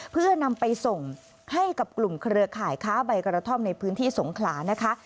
เพื่อนำไปส่งให้กับกลุ่มเครือข่ายค้าใบกระท่อมในพื้นที่สงขลานะคะ